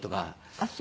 あっそう。